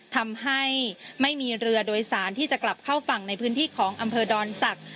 ทำให้ไม่มีเรือโดยสารที่จะกลับเข้าฝั่งในพื้นที่ของอำเภอดอนศักดิ์